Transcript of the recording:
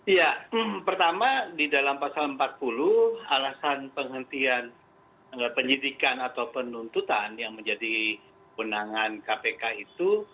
ya pertama di dalam pasal empat puluh alasan penghentian penyidikan atau penuntutan yang menjadi undangan kpk itu